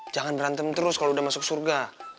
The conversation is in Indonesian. jangan berantem terus kalau udah masuk surga